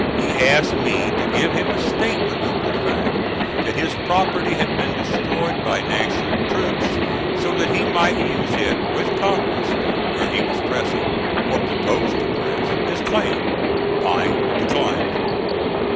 He asked me to give him a statement of the fact that his property had been destroyed by National troops, so that he might use it with Congress where he was pressing, or proposed to press, his claim. I declined.